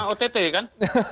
karena ott kan